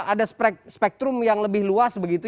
ada spektrum yang lebih luas begitu